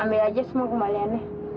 ambil aja semua kembaliannya